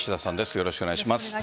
よろしくお願いします。